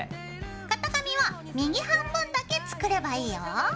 型紙は右半分だけ作ればいいよ。